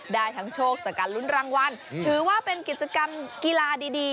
ได้ทั้งโชคจากการลุ้นรางวัลถือว่าเป็นกิจกรรมกีฬาดี